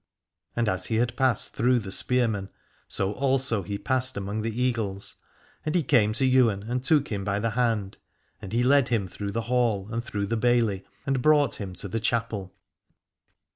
And as he had passed through the spearmen so also he passed among the Eagles, and he came to Ywain and took him by the hand : and he led him through the Hall and through the bailey, and brought him to the chapel.